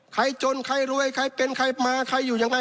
ใครจนใครรวยใครเป็นใครมาใครอยู่ยังไง